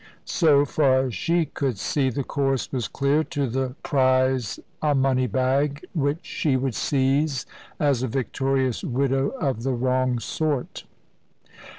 So far as she could see, the course was clear to the prize a money bag, which she would seize as a victorious widow of the wrong sort.